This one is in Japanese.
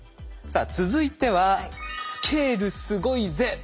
さあ続いては「スケールすごいぜ」